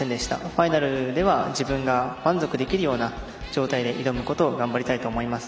ファイナルでは自分が満足できるような状態で挑むことができるよう頑張りたいと思います。